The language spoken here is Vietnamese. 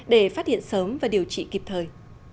để phát hiện sớm và điều trị kịp thời